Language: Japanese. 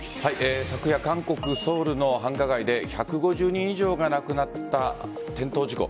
昨夜、韓国・ソウルの繁華街で１５０人以上が亡くなった転倒事故。